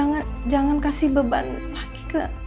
tolong jangan kasih beban lagi ke rena noh